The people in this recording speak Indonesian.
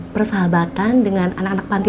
persahabatan dengan anak anak panti